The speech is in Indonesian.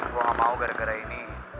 gue gak mau gara gara ini